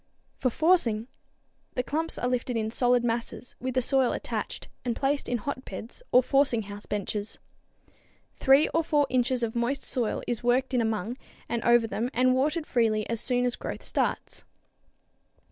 For forcing, the clumps are lifted in solid masses, with the soil attached, and placed in hotbeds or forcing house benches. Three or four inches of moist soil is worked in among and over them and watered freely as soon as growth starts.